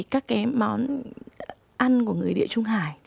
các món ăn của người địa trung hải